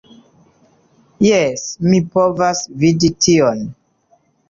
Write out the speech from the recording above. Jes, mi povas vidi tion